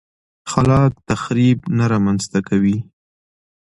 خلاق تخریب نه رامنځته کوي.